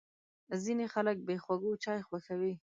ځینې خلک بې خوږو چای خوښوي.